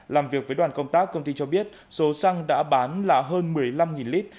làm việc với đoàn công tác công ty cho biết số xăng đã bán là hơn một mươi năm lít